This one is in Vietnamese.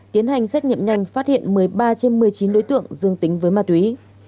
tiến hành xét nghiệm nhanh phát hiện một mươi ba trên một mươi chín đối tượng dương tính với ma túy